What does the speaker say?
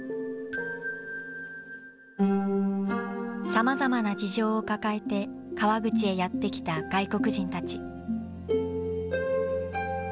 さまざまな事情を抱えて川口へやって来た外国人たち。